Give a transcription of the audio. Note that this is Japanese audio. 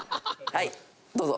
はいどうぞ。